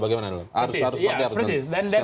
harus pakai harus setia novanto